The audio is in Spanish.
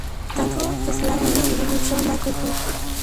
Tanto Sloane y su sucesor, Michael Holt.